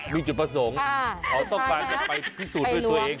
มีจุดประสงค์เขาต้องการจะไปพิสูจน์ด้วยตัวเอง